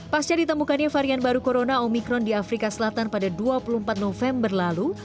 pasca ditemukannya varian baru corona omikron di afrika selatan pada dua puluh empat november lalu